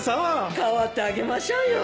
かわってあげましょうよ